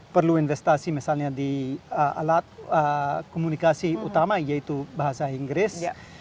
perlu investasi misalnya di alat komunikasi utama yaitu bahasa inggris